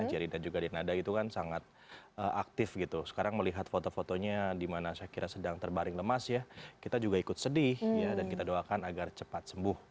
jerry dan juga ditnada itu kan sangat aktif gitu sekarang melihat foto fotonya dimana saya kira sedang terbaring lemas ya kita juga ikut sedih ya dan kita doakan agar cepat sembuh